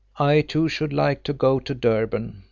"I, too, should like to go to Durban.